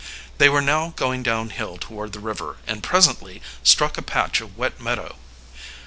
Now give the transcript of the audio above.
They were now going downhill toward the river, and presently struck a patch of wet meadow.